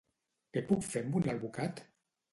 Què puc fer amb un alvocat?